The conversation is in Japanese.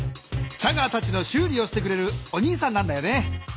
チャガーたちのしゅうりをしてくれるお兄さんなんだよね。